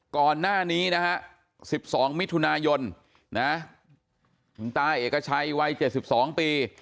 ก่อนหน้านี้นะฮะ๑๒มิถุนายนนะคุณตาเอกชัยวัย๗๒ปี